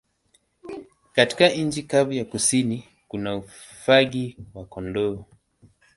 Katika nchi kavu ya kusini kuna ufugaji wa kondoo.